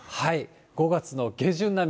５月の下旬並み。